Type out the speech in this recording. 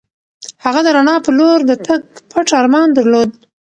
هغه د رڼا په لور د تګ پټ ارمان درلود.